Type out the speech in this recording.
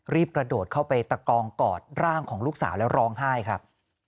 กระโดดเข้าไปตะกองกอดร่างของลูกสาวแล้วร้องไห้ครับ